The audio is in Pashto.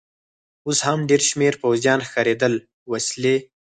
اوس هم ډېر شمېر پوځیان ښکارېدل، وسلې.